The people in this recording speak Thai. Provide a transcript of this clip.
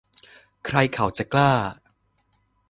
ใครเขาจะกล้า